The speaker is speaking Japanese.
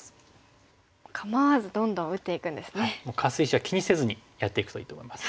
カス石は気にせずにやっていくといいと思います。